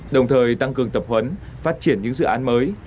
đồng thời tăng cường tập huấn phát triển những dự án mới